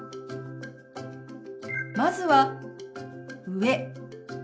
まずは「上」。